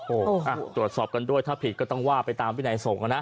โอ้โหตรวจสอบกันด้วยถ้าผิดก็ต้องว่าไปตามวินัยส่งนะ